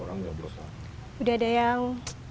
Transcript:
orang yang berusaha udah ada yang